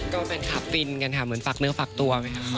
ก็เป็นความฟินกันค่ะเหมือนฟักเนื้อฟักตัว